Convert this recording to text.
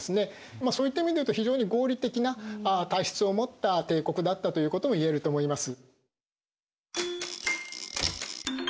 まあそういった意味で言うと非常に合理的な体質を持った帝国だったということを言えると思います。